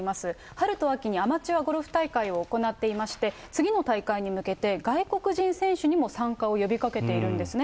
春と秋にアマチュアゴルフ大会を行っていまして、次の大会に向けて、外国人選手にも参加を呼びかけているんですね。